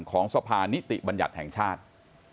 ของสภานิติบัญญัติแห่งชาติ